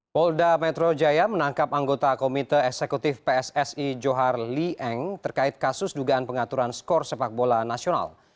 polda metro jaya menangkap anggota komite eksekutif pssi johar lee eng terkait kasus dugaan pengaturan skor sepak bola nasional